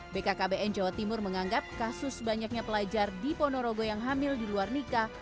bkkbn jawa timur menganggap kasus banyaknya pelajar di ponorogo yang hamil di luar nikah